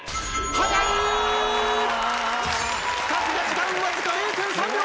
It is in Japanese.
使った時間わずか０．３秒。